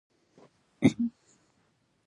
ستا بیلتون کې مې په سره اور زندګي ده